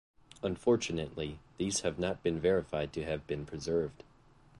Unfortunately, these have not been verified to have been preserved.